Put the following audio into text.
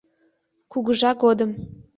Кугыжа годым.